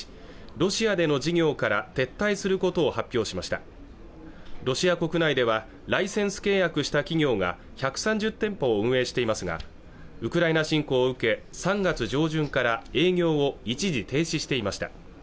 ロシアでの事業から撤退することを発表しましたロシア国内ではライセンス契約した企業が１３０店舗を運営していますがウクライナ侵攻を受け３月上旬から営業を一時停止していました